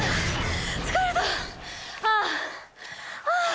ああ。